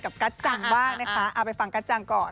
กัจจังบ้างนะคะเอาไปฟังกัจจังก่อน